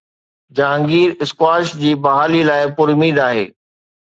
Jahangir squash جي بحاليءَ لاءِ پراميد آهي